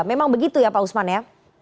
memang begitu ya pak usman ya